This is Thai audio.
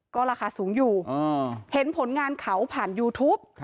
ก็ราคาสูงอยู่เห็นผลงานเขาผ่านยูทูป